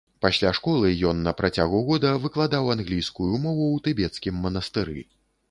Пасля школы ён на працягу года выкладаў англійскую мову ў тыбецкім манастыры.